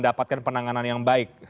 dianggap yang baik